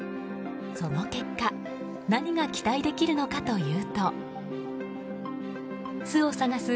その結果何が期待できるのかというと巣を探す